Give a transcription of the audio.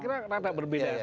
tapi saya kira rata berbeda